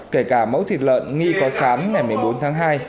kể cả mẫu thịt lợn nghi có sáng ngày một mươi bốn tháng hai